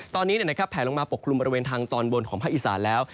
ตอนนี้แผลลงมาปกคลุมบริเวณทางตอนบนของภาคอีสานแล้ว